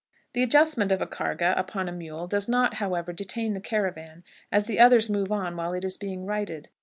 The adjustment of a carga upon a mule does not, however, detain the caravan, as the others move on while it is being righted.